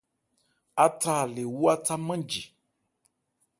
Átha lê wú átha nmánji.